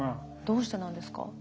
どうしてなんですか？